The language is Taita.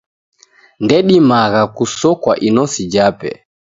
Ndedimagha kusokwa inosi jape.